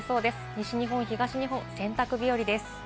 西日本・東日本、洗濯日和です。